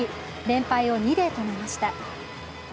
連敗を２で止めました。